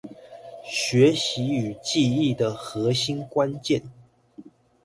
學習與記憶的核心關鍵